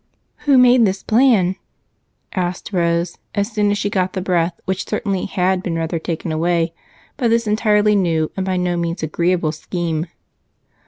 "Who made this plan?" asked Rose as soon as she got the breath which certainly had been rather taken away by this entirely new and by no means agreeable scheme.